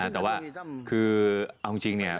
แต่ว่าคือเอาจริงเนี่ย